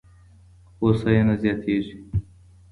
هوساينه زياتېږي.